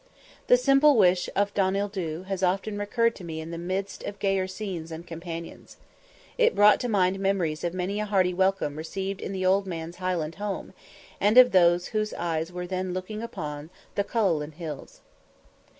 The simple wish of Donnuil Dhu has often recurred to me in the midst of gayer scenes and companions. It brought to mind memories of many a hearty welcome received in the old man's Highland home, and of those whose eyes were then looking upon the Cuchullin Hills.